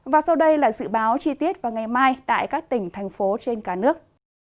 và sau đây là dự báo chi tiết vào ngày mai tại các tỉnh thành phố trên cả nước